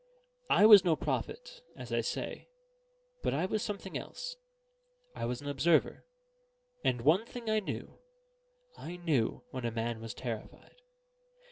I was no prophet, as I say; but I was something else: I was an observer; and one thing I knew, I knew when a man was terrified.